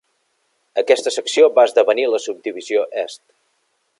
Aquesta secció va esdevenir la Subdivisió est.